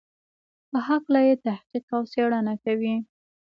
په هکله یې تحقیق او څېړنه کوي.